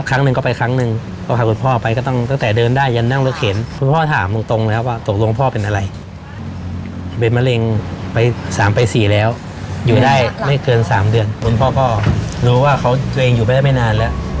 คุณพ่อรู้ว่าเขาเองอยู่ไม่ได้นานแล้ว